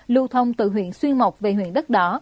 lưu thông từ huyện xuyên mộc về huyện đất đỏ